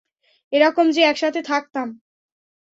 এরকম যে, একসাথে থাকতাম।